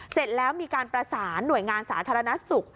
เสร็จแล้วมีการประสานหน่วยงานสาธารณสุข